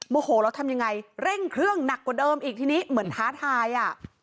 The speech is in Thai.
โหแล้วทำยังไงเร่งเครื่องหนักกว่าเดิมอีกทีนี้เหมือนท้าทายอ่ะ